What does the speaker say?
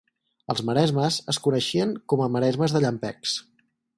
Els maresmes es coneixien com a "maresmes de llampecs".